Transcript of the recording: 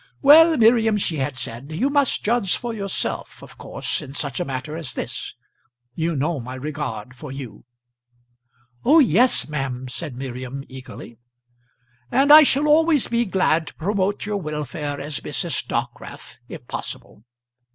"Well, Miriam," she had said, "you must judge for yourself, of course, in such a matter as this. You know my regard for you." "Oh yes, ma'am," said Miriam, eagerly. "And I shall always be glad to promote your welfare as Mrs. Dockwrath, if possible.